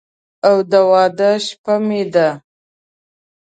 او د واده شپه مې ده